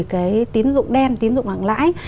cái tiến dụng đen tiến dụng lạng lãi